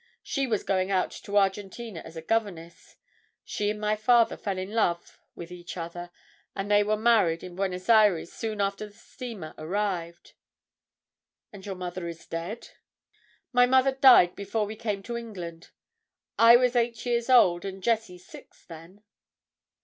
She was going out to Argentina as a governess. She and my father fell in love with each other, and they were married in Buenos Ayres soon after the steamer arrived." "And your mother is dead?" "My mother died before we came to England. I was eight years old, and Jessie six, then."